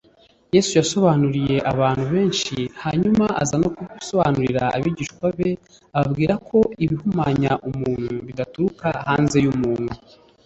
yesu yasobanuriye abantu benshi, hanyuma aza no gusobanurira abigishwa be, ababwira ko ibihumanya umuntu bidaturuka hanze y’umuntu,